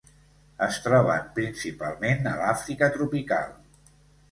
Es troben principalment a l'Àfrica tropical.